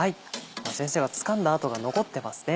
先生がつかんだ跡が残ってますね。